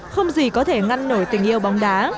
không gì có thể ngăn nổi tình yêu bóng đá